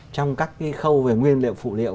trong các cái khâu về nguyên liệu phụ liệu